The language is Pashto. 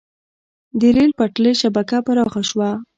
د ریل پټلۍ شبکه پراخه شوه.